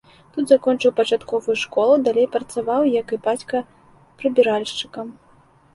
Тут закончыў пачатковую школу, далей працаваў, як і бацька прыбіральшчыкам.